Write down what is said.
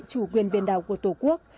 chủ quyền biển đảo của tổ quốc